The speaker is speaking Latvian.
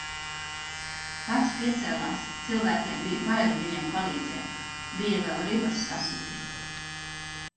Pats piecēlās, cilvēkiem bija bail viņam palīdzēt. Bija vēl ribas sasitis.